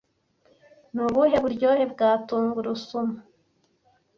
Nubuhe buryohe bwa tungurusumu